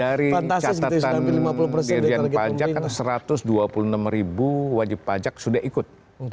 dari catatan dirian pajak kan satu ratus dua puluh enam ribu wajib pajak sudah ikut